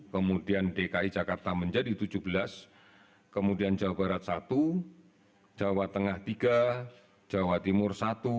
kemudian dki jakarta menjadi tujuh belas kemudian jawa barat satu jawa tengah tiga jawa timur satu